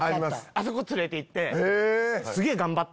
あそこ連れて行って。